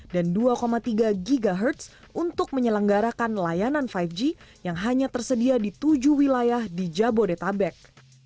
dan dua tiga ghz untuk menyelenggarakan layanan lima g yang hanya tersedia di tujuh wilayah di jabodetabek